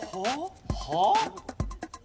はあ？